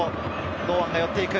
堂安が寄っていく。